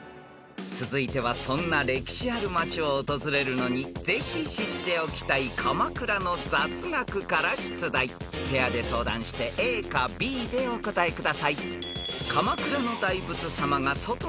［続いてはそんな歴史ある町を訪れるのにぜひ知っておきたい鎌倉の雑学から出題］［ペアで相談してＡかＢでお答えください］